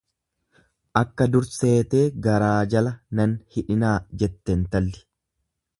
Akka dur seetee garaa jala nan hidhinaa jette intalli.